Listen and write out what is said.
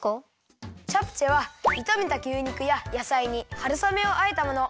チャプチェはいためた牛肉ややさいにはるさめをあえたもの。